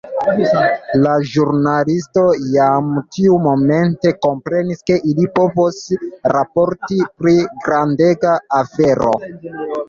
La ĵurnalistoj jam tiumomente komprenis ke ili povos raporti pri grandega afero.